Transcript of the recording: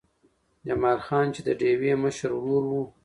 جمال خان چې د ډېوې مشر ورور و